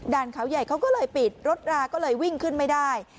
เขาใหญ่เขาก็เลยปิดรถราก็เลยวิ่งขึ้นไม่ได้